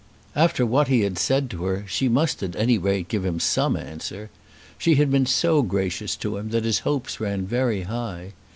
After what he had said to her she must at any rate give him some answer. She had been so gracious to him that his hopes ran very high.